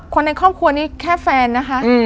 คนในครอบครัวนี้แค่แฟนนะคะ